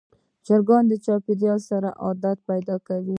چرګان د چاپېریال سره عادت پیدا کوي.